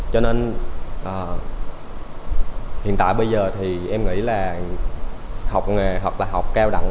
cho nên hiện tại bây giờ thì em nghĩ là học nghề hoặc là học cao đẳng